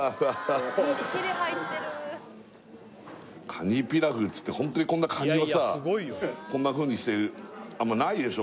カニピラフっつってホントにこんなカニをさこんなふうにしてるあんまないでしょ